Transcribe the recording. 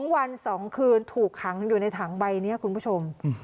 ๒วัน๒คืนถูกขังอยู่ในถังใบนี้คุณผู้ชม